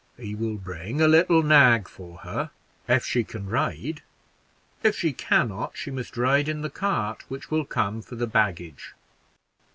"He will bring a little nag for her, if she can ride if she can not, she must ride in the cart which will come for the baggage."